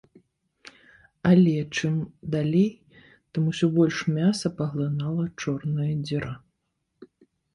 Але чым далей, тым усё больш мяса паглынала чорная дзіра.